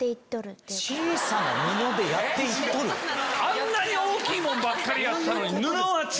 あんなに大きいもんばっかりやったのに。